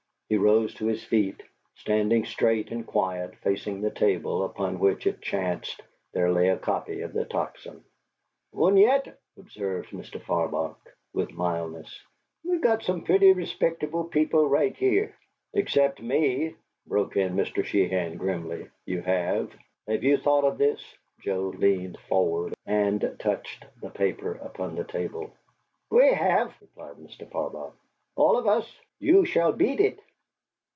He rose to his feet, standing straight and quiet, facing the table, upon which, it chanced, there lay a copy of the Tocsin. "Und yet," observed Mr. Farbach, with mildness, "we got some pooty risbecdable men right here." "Except me," broke in Mr. Sheehan, grimly, "you have." "Have you thought of this?" Joe leaned forward and touched the paper upon the table. "We hef," replied Mr. Farbach. "All of us. You shall beat it."